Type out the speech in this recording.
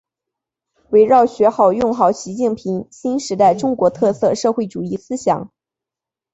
围绕学好、用好习近平新时代中国特色社会主义思想